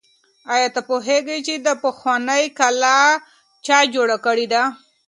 آیا ته پوهېږې چې دا پخوانۍ کلا چا جوړه کړې ده؟